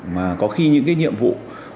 mà có khi những cái nhiệm vụ